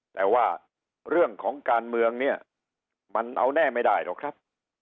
แต่ว่าเรื่องของการเมืองเนี่ยมันเอาแน่ไม่ได้หรอกครับ